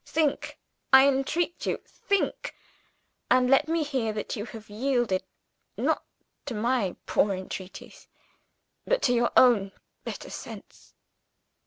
Think, I entreat you, think; and let me hear that you have yielded not to my poor entreaties but to your own better sense!"